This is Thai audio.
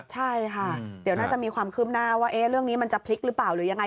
ใช่ค่ะเดี๋ยวน่าจะมีความคืบหน้าว่าเรื่องนี้มันจะพลิกหรือเปล่าหรือยังไง